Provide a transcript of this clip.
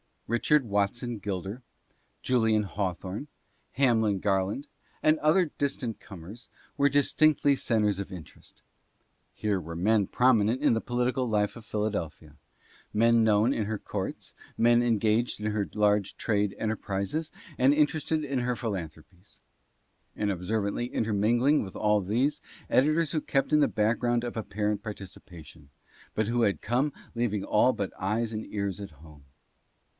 Richard Watson Gil der, Julian Hawthorne, Hamlin Garland, and other distant com ers, were distinctly centres of interest. Here were men promi nent in the political life of Philadelphia, men known in her courts, men engaged in her large trade enterprises and interested in her philanthropies ; and observantly intermingling with all these, editors who kept in the background of apparent participa tion, but who had come leaving all but eyes and ears at home.